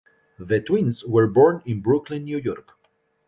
The twins were born in Brooklyn, New York.